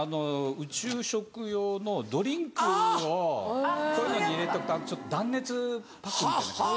宇宙食用のドリンクをこういうのに入れとくとちょっと断熱パックみたいな感じ。